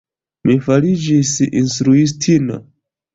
Mi fariĝis instruistino.